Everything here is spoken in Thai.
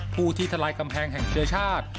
ผู้ที่ทะลายกำแพงแห่งเครือชาติ